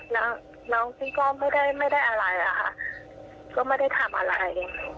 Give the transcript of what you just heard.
แล้วน้องจริงก็ไม่ได้ไม่ได้อะไรอ่ะค่ะก็ไม่ได้ทำอะไร